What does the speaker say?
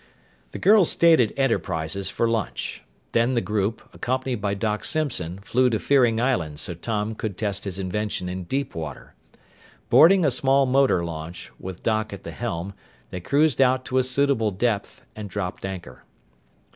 The girls stayed at Enterprises for lunch. Then the group, accompanied by Doc Simpson, flew to Fearing Island so Tom could test his invention in deep water. Boarding a small motor launch, with Doc at the helm, they cruised out to a suitable depth and dropped anchor.